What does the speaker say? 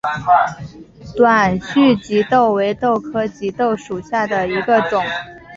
短序棘豆为豆科棘豆属下的一个种。